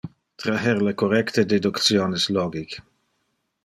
Traher le correcte deductiones logic.